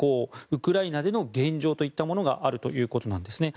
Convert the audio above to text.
ウクライナでの現状といったものがあるということです。